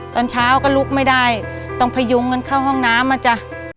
ตอนเช้าก็ลุกไม่ได้ต้องพยุงกันเข้าห้องน้ำอ่ะจ้ะ